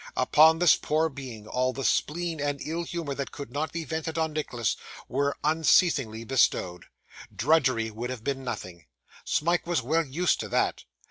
Upon this poor being, all the spleen and ill humour that could not be vented on Nicholas were unceasingly bestowed. Drudgery would have been nothing Smike was well used to that.